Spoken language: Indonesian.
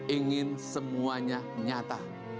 ingin semuanya nyata